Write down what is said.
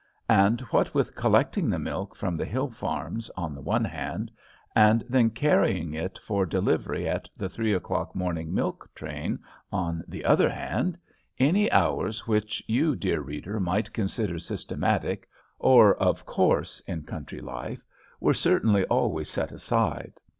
And, what with collecting the milk from the hill farms, on the one hand, and then carrying it for delivery at the three o'clock morning milk train, on the other hand, any hours which you, dear reader, might consider systematic, or of course in country life, were certainly always set aside.